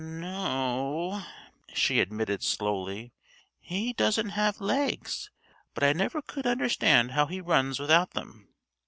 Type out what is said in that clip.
"No o," she admitted slowly, "he doesn't have legs; but I never could understand how he runs without them."